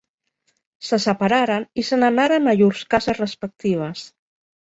Se separaren i se n'anaren a llurs cases respectives.